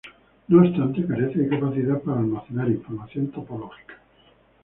No obstante carece de capacidad para almacenar información topológica.